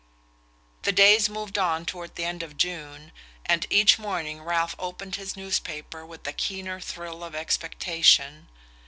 The days moved on toward the end of June, and each morning Ralph opened his newspaper with a keener thrill of expectation.